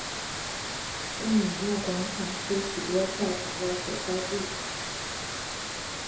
圣以诺广场是许多教堂的所在地。